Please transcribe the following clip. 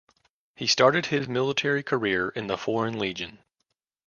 He started his military career in the Foreign Legion.